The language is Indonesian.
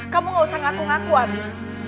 kamu gak usah ngaku ngaku abi